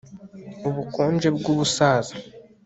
Ubukonje bwubusaza